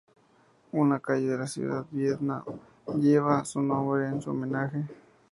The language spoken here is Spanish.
Una calle de la ciudad de Viedma lleva su nombre en su homenaje.